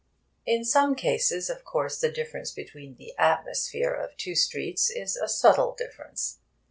In some cases, of course, the difference between the 'atmosphere' of two streets is a subtle difference.